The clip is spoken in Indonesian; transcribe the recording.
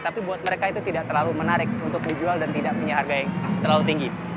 tapi buat mereka itu tidak terlalu menarik untuk dijual dan tidak punya harga yang terlalu tinggi